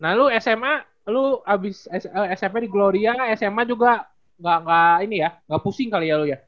lalu sma lalu abis smp di gloria sma juga nggak pusing kali ya lu ya